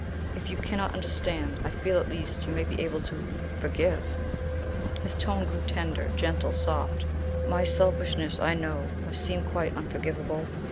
If you cannot understand, I feel at least you may be able to forgive." His tone grew tender, gentle, soft. "My selfishness, I know, must seem quite unforgivable.